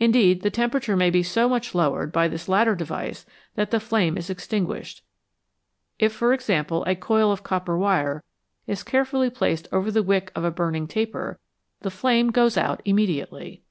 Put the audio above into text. Indeed the temperature may be so much lowered by this latter device that the flame is extin guished. If, for example, a coil of copper wire is care fully placed over the wick of a burning taper, the flame goes out immediately.